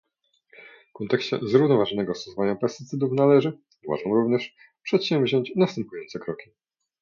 W kontekście zrównoważonego stosowania pestycydów należy, uważam również, przedsięwziąć następujące kroki